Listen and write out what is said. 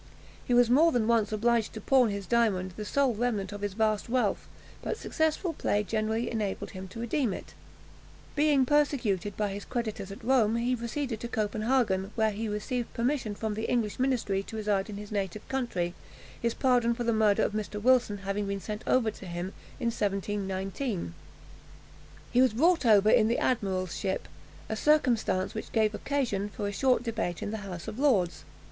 He was more than once obliged to pawn his diamond, the sole remnant of his vast wealth, but successful play generally enabled him to redeem it. Being persecuted by his creditors at Rome, he proceeded to Copenhagen, where he received permission from the English ministry to reside in his native country, his pardon for the murder of Mr. Wilson having been sent over to him in 1719. He was brought over in the admiral's ship a circumstance which gave occasion for a short debate in the House of Lords.